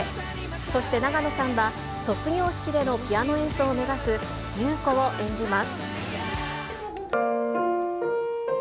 そして永野さんは、卒業式でのピアノ演奏を目指す優子を演じます。